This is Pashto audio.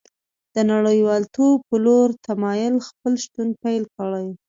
د نړیوالتوب په لور تمایل خپل شتون پیل کړی